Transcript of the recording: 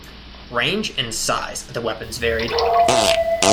Range and size of the weapons varied.